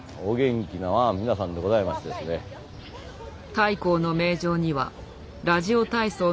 太閤の名城にはラジオ体操の大集団。